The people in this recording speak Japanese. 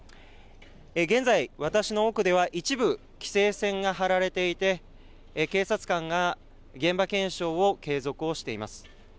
現在、私の奥では一部、規制線が張られていて、警察官が現場検証を継続をしています。